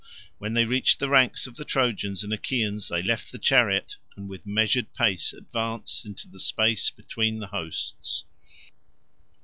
When they reached the ranks of the Trojans and Achaeans they left the chariot, and with measured pace advanced into the space between the hosts.